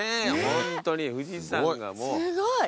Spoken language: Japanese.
ホントに富士山がもう。